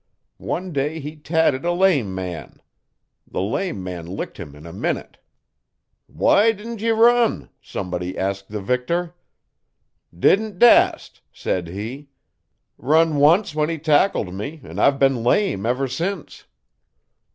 One day he tadded a lame man. The lame man licked him in a minute. '"Why didn't ye run?" somebody asked the victor. '"Didn't dast," said he. "Run once when he tackled me an I've been lame ever since."